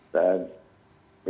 belum ada ya